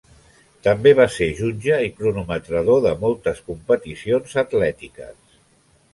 També va ser jutge i cronometrador de moltes competicions atlètiques.